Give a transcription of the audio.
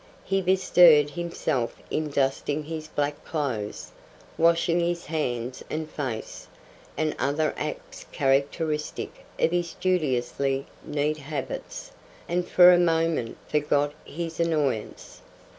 He bestirred himself in dusting his black clothes, washing his hands and face, and other acts characteristic of his studiously neat habits, and for a moment forgot his annoyance.